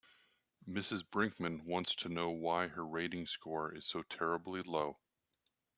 Mrs Brickman wants to know why her rating score is so terribly low.